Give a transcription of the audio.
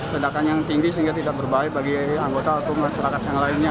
ledakan yang tinggi sehingga tidak berbahaya bagi anggota atau masyarakat yang lainnya